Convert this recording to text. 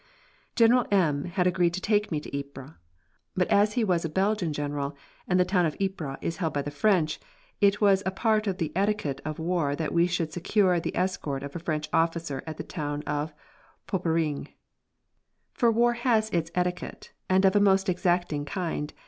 General M had agreed to take me to Ypres. But as he was a Belgian general, and the town of Ypres is held by the French, it was a part of the etiquette of war that we should secure the escort of a French officer at the town of Poperinghe. For war has its etiquette, and of a most exacting kind.